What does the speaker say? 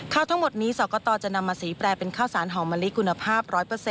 ทั้งหมดนี้สกตจะนำมาสีแปลเป็นข้าวสารหอมมะลิคุณภาพ๑๐๐